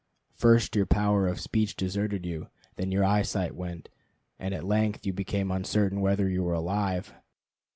First your power of speech deserted you, then your eyesight went, and at length you became uncertain whether you were alive.